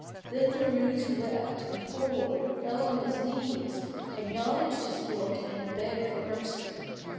Then Derues wept, implored, fell on his knees, acknowledged his guilt, and begged for mercy.